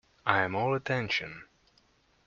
I am all attention.